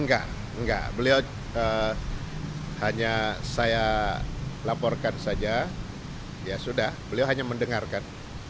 enggak enggak beliau hanya saya laporkan saja ya sudah beliau hanya mendengarkan